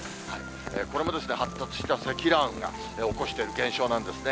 これも発達した積乱雲が起こしている現象なんですね。